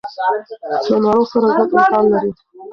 له ناروغ سره ژوند امکان لري.